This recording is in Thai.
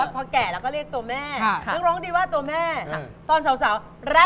พอแก่เราก็เรียกตัวแม่